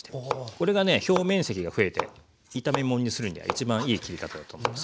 これがね表面積が増えて炒め物にするには一番いい切り方だと思いますよ。